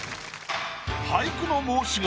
俳句の申し子